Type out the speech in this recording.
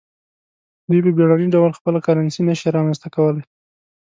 دوی په بیړني ډول خپله کرنسي نشي رامنځته کولای.